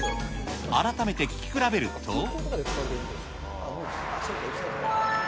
改めて、聴き比べると。